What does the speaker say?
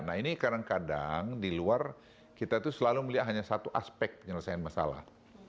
nah ini kadang kadang di luar kita itu selalu melihat hanya satu aspek penyelesaian masalah